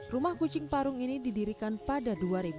rumah kucing parung ini didirikan pada dua ribu dua